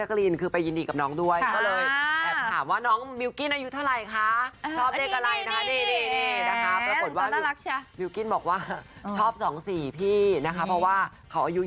พี่ไปถึงงานรับพลิงญายยังจะไปถามเลขจากเขา